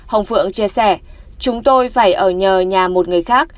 ông phượng chia sẻ chúng tôi phải ở nhờ nhà một người khác